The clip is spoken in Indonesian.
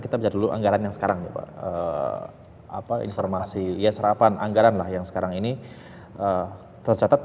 kita bisa dulu anggaran yang sekarang apa informasi ya serapan anggaran lah yang sekarang ini tercatat